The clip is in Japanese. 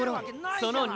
その２！